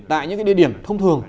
tại những địa điểm thông thường